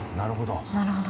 なるほど。